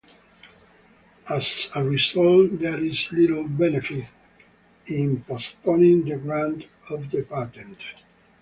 As a result, there is little benefit in postponing the grant of the patent.